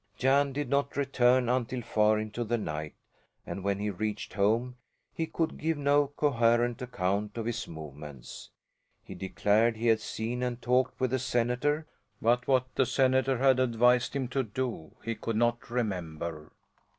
Jan did not return until far into the night, and when he reached home he could give no coherent account of his movements. He declared he had seen and talked with the senator, but what the senator had advised him to do he could not remember.